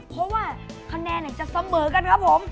เพราะว่าคะแนนจะเสมอกันครับผม